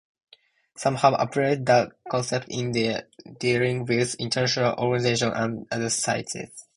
Some have applied the concept in their dealings with international organizations and other states.